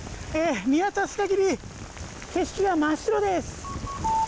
見渡す限り、景色は真っ白です。